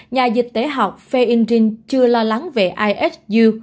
nhà dịch tế học feindring chưa lo lắng về ihu